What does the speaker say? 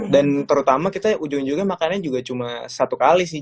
dan terutama kita ujung ujungnya makanannya juga cuma satu kali sih